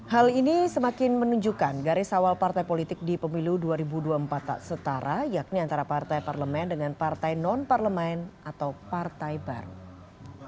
hal ini semakin menunjukkan garis awal partai politik di pemilu dua ribu dua puluh empat tak setara yakni antara partai parlemen dengan partai non parlemen atau partai baru